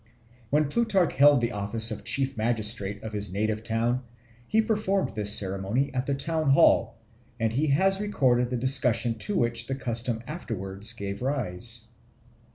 When Plutarch held the office of chief magistrate of his native town he performed this ceremony at the Town Hall, and he has recorded the discussion to which the custom afterwards gave rise.